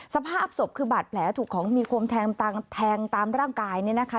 สภาพศพคือบาดแผลถูกของมีคมแทงตามร่างกายเนี่ยนะคะ